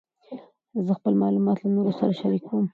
زه خپل معلومات له نورو سره شریکوم.